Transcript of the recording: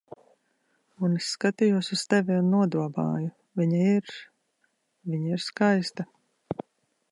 Un es skatījos uz tevi un nodomāju: "Viņa ir... Viņa ir skaista."